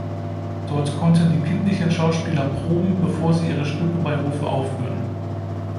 Dort konnten die kindlichen Schauspieler proben, bevor sie ihre Stücke bei Hofe aufführten.